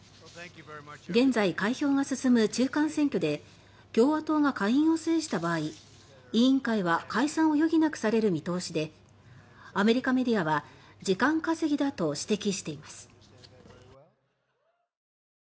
現在、開票が進む中間選挙で共和党が下院を制した場合委員会は解散を余儀なくされる見通しでアメリカメディアは「時間稼ぎ」だと指摘しています。